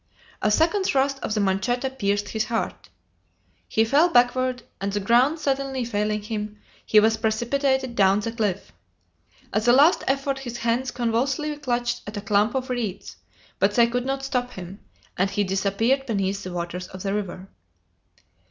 A second thrust of the manchetta pierced his heart. He fell backward, and the ground suddenly failing him, he was precipitated down the cliff. As a last effort his hands convulsively clutched at a clump of reeds, but they could not stop him, and he disappeared beneath the waters of the river.